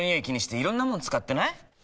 気にしていろんなもの使ってない？